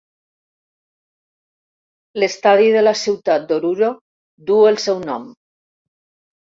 L'estadi de la ciutat d'Oruro duu el seu nom.